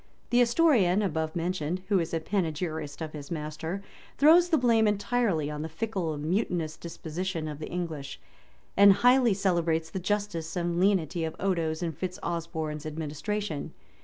The historian above mentioned, who is a panegyrist of his master, throws the blame entirely on the fickle and mutinous disposition of the English, and highly celebrates the justice and lenity of Odo's and Fitz Osborne's administration.